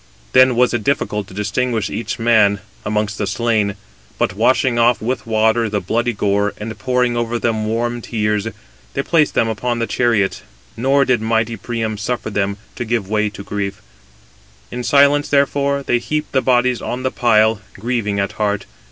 Then was it difficult to distinguish each man [amongst the slain]; but washing off with water the bloody gore, and pouring over them warm tears, they placed them upon the chariots; nor did mighty Priam suffer them to give way to grief. In silence, therefore, they heaped the bodies on the pile, grieving at heart.